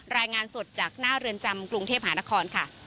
รายงานสดจากหน้าเรือนจำกรุงเทพหานครค่ะ